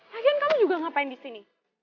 lagian kamu juga ngapain disini